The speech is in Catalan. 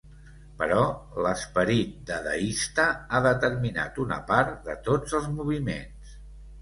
Però l'esperit dadaista ha determinat una part de tots els moviments.